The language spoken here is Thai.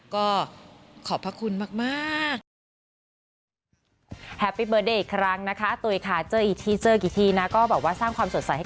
ก็ขอบพระคุณมาก